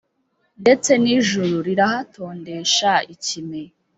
ndetse n’ijuru rirahatondesha ikime.